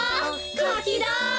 かきだ！